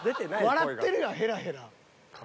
笑ってるやんヘラヘラ］